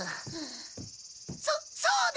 そそうだ！